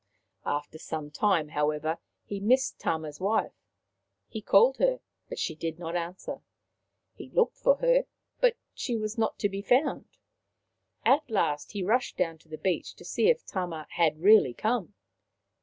After some time, however, he missed Tama's wife. He called her, but she did not answer ; he 206 Maoriland Fairy Tales looked for her, but she was not to be found. At last he rushed down to the beach to see if Tama had really come.